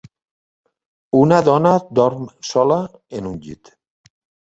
Una dona dorm sola en un llit.